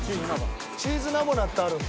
チーズナボナってあるんだ。